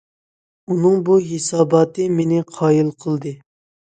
ئۇنىڭ بۇ ھېساباتى مېنى قايىل قىلدى.